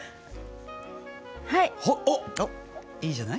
はい。